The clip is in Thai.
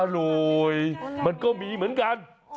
รวยมันก็มีเหมือนกัน